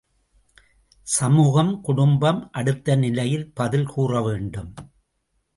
சமூகமும் குடும்பமும் அடுத்த நிலையில் பதில் கூறவேண்டும்.